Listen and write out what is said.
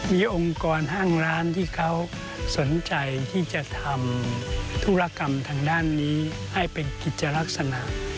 มีองค์กรห้างร้านที่เขาสนใจที่จะทำธุรกรรมทางด้านนี้ให้เป็นกิจลักษณะ